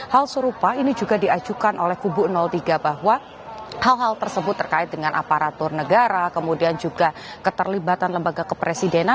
hal serupa ini juga diajukan oleh kubu tiga bahwa hal hal tersebut terkait dengan aparatur negara kemudian juga keterlibatan lembaga kepresidenan